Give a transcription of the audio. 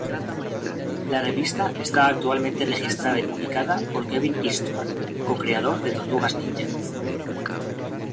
La revista está actualmente registrada y publicada por Kevin Eastman, co-creador de "Tortugas Ninja".